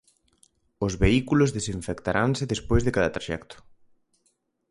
Os vehículos desinfectaranse despois de cada traxecto.